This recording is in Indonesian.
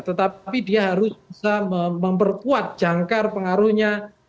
tetapi dia harus bisa memperkuat jangkar pengaruhnya